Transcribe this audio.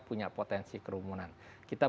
punya potensi kerumunan kita